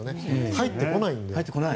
入ってこないので。